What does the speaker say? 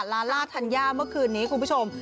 ลาล่าธัญญาเมื่อคืนนี้คุณผู้ชม